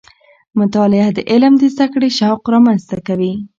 مطالعه د علم د زده کړې شوق رامنځته کوي.